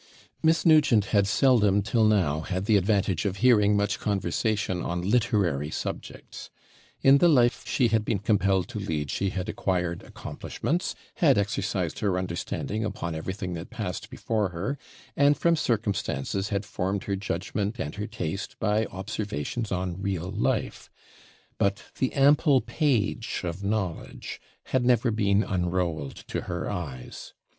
Miss Nugent had seldom till now had the advantage of hearing much conversation on literary subjects. In the life she had been compelled to lead she had acquired accomplishments, had exercised her understanding upon everything that passed before her, and from circumstances had formed her judgment and her taste by observations on real life; but the ample page of knowledge had never been unrolled to her eyes.